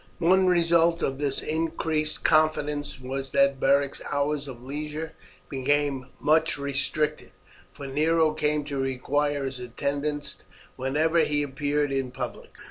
One result of this increased confidence was that Beric's hours of leisure became much restricted, for Nero came to require his attendance whenever he appeared in public.